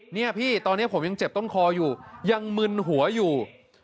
เนี่ยพี่ตอนนี้ผมยังเจ็บต้นคออยู่ยังมึนหัวอยู่